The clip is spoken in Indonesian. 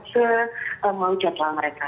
semau jatual mereka